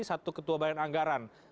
satu ketua barang anggaran